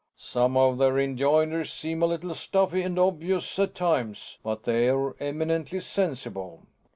"Some of their enjoinders seem a little stuffy and obvious at times, but they're eminently sensible."